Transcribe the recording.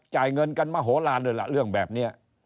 จ่ายเงินกันมาโหลาเรื่องแบบเนี่ย